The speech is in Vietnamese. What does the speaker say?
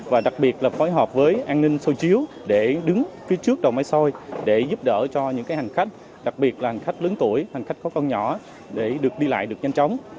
và đặc biệt là phối hợp với an ninh sôi chiếu để đứng phía trước đầu mái sôi để giúp đỡ cho những hành khách đặc biệt là hành khách lớn tuổi hành khách có con nhỏ để được đi lại được nhanh chóng